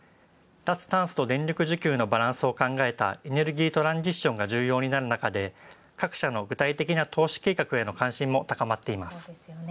脱炭素と電力自給のバランスを考えたエネルギートランスジッションが重要になるなかで、各社の投資計画への関心も高まっている。